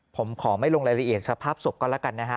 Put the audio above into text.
ผมขอไม่ลงรายละเอียดสภาพศพก็แล้วกันนะฮะ